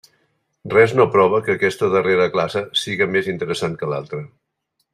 Res no prova que aquesta darrera classe siga més interessant que l'altra.